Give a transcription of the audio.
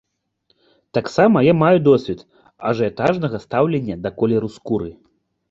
Таксама я маю досвед ажыятажнага стаўлення да колеру скуры.